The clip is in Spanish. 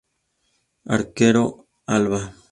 Arquero Alba